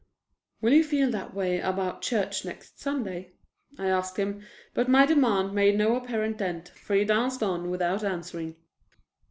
"Will you feel that way about church next Sunday?" I asked him, but my demand made no apparent dent, for he danced on without answering.